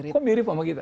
kok mirip sama kita